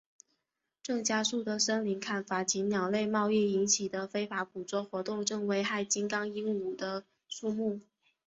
正加速的森林砍伐及鸟类贸易引起的非法捕捉活动正危害金刚鹦鹉的数目。